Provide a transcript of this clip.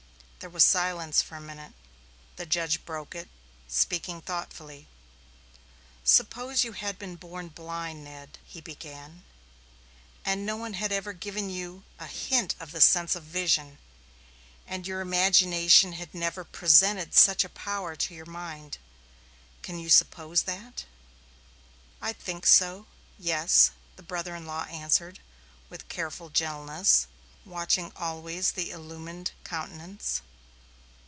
There was silence for a minute. The judge broke it, speaking thoughtfully: "Suppose you had been born blind, Ned," he began, "and no one had ever given you a hint of the sense of vision, and your imagination had never presented such a power to your mind. Can you suppose that?" "I think so yes," the brother in law answered, with careful gentleness, watching always the illumined countenance.